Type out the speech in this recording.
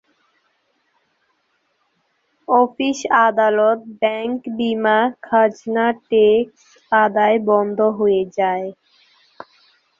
অফিস-আদালত, ব্যাংক-বীমা, খাজনা-ট্যাক্স আদায় বন্ধ হয়ে যায়।